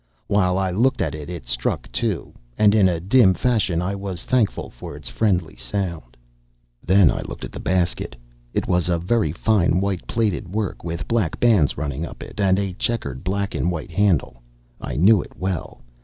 While I looked at it it struck two, and in a dim fashion I was thankful for its friendly sound. Then I looked at the basket. It was of very fine white plaited work with black bands running up it, and a chequered black and white handle. I knew it well.